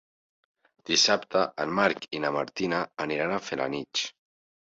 Dissabte en Marc i na Martina aniran a Felanitx.